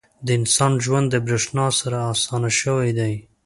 • د انسان ژوند د برېښنا سره اسانه شوی دی.